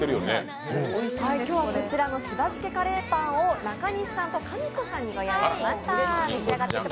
今日はこちらのしば漬カレーパンをかみこさんと中西さんにご用意しました。